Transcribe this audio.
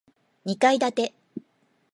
二階建て